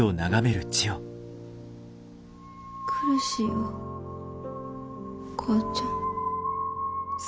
苦しいわお母ちゃん。